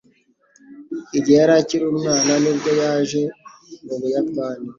Igihe yari akiri umwana ni bwo yaje mu Buyapani.